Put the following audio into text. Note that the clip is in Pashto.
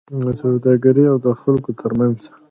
د سوداګرۍاو د خلکو ترمنځ